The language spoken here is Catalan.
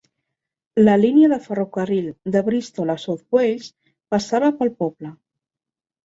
La línia de ferrocarril de Bristol a South Wales passava pel poble.